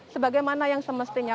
sebagaimana yang semestinya